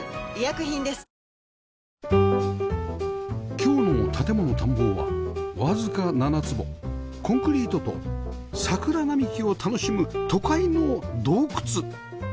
今日の『建もの探訪』はわずか７坪コンクリートと桜並木を楽しむ都会の洞窟